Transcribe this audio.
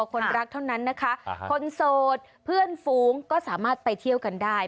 คนรักเท่านั้นนะคะคนโสดเพื่อนฝูงก็สามารถไปเที่ยวกันได้